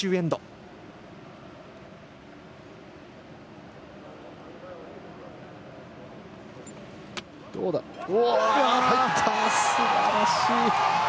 すばらしい！